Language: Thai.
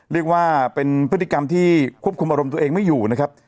เรียกว่าเป็นพฤติกรรมที่ควบคุมอารมณ์ตัวเองไม่อยู่นะครับ